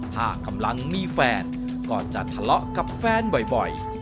ถ้ากำลังมีแฟนก็จะทะเลาะกับแฟนบ่อย